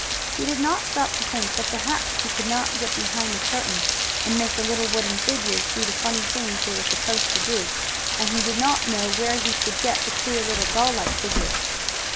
He did not stop to think that perhaps he could not get behind the curtain, and make the little wooden figures do the funny things they were supposed to do. And he did not know where he could get the queer little doll like figures.